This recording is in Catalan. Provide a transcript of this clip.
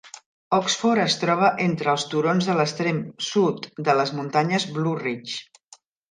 Oxford es troba entre els turons de l'extrem sud de les Muntanyes Blue Ridge.